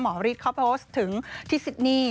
ฤทธิเขาโพสต์ถึงที่ซิดนี่